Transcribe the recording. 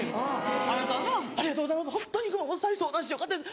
荒川が「ありがとうございます熊元さんに相談してよかったです。